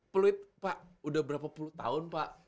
peluit pak udah berapa puluh tahun pak